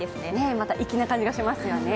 また粋な感じがしますよね。